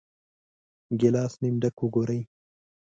ګیلاس نیم ډک وګورئ.